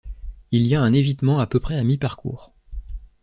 Il y a un évitement à peu près à mi-parcours.